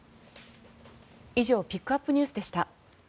以上ピックアップＮＥＷＳでした。